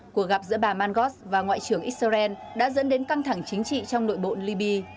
cuộc gặp giữa bà mangos và ngoại trưởng israel đã dẫn đến căng thẳng chính trị trong nội bộ libya